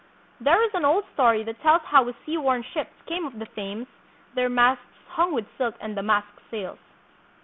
There is an old story that tells how his seaworn ships came up the Thames, their masts hung with silk and damask sails.